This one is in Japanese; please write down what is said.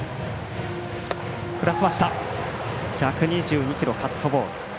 １２２キロ、カットボール。